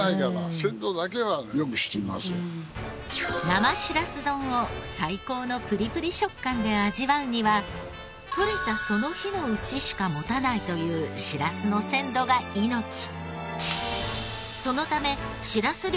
生しらす丼を最高のプリプリ食感で味わうには取れたその日のうちしかもたないというそのためしらす漁には細心の工夫が必要となります。